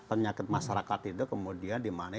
penyakit masyarakat itu kemudian dimanai